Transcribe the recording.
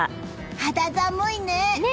肌寒いね。